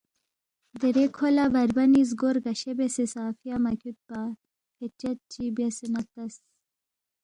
دیرے کھو لہ بربنی زگو رگشے بیاسے سہ فیا مہ کھیُودپا فید چد چی بیاسے نہ ہلتس